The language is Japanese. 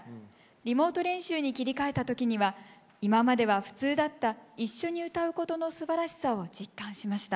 リモート練習に切り替えた時には今までは普通だった一緒に歌うことのすばらしさを実感しました。